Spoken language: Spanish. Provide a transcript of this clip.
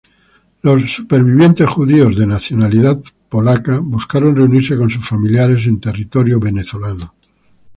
Los sobrevivientes judíos de nacionalidad polaca buscaron reunirse con sus familiares en territorio venezolano.